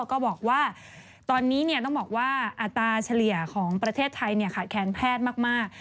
ก็บอกว่าตอนนี้ต้องบอกว่าอัตราเฉลี่ยของประเทศไทยขาดแคนแพทย์มาก